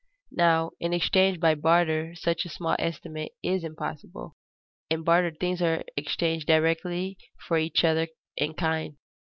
Now in exchange by barter such a small estimate is impossible. In barter things are exchanged directly for each other in kind.